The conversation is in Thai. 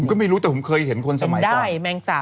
ผมก็ไม่รู้แต่เคยเห็นคนสมัยก่อน